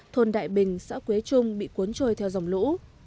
thôn đại bình xã quế trung bị cuốn trôi theo dòng lũ